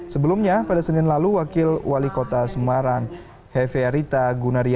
sebelumnya pada senin lalu wakil wali kota semarang hefe arita gunario